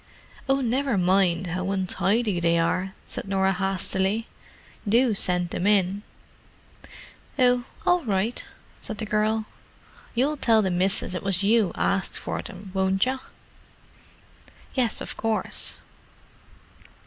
"Oh, never mind how untidy they are," said Norah hastily. "Do send them in." "Oh, all right," said the girl. "You'll tell the missus it was you arsked for 'em, won't yer?" "Yes, of course."